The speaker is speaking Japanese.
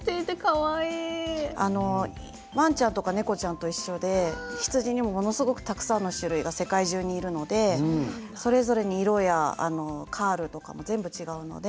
わんちゃんとか猫ちゃんと一緒で羊にもものすごくたくさんの種類が世界中にいるのでそれぞれに色やカールとかも全部違うので。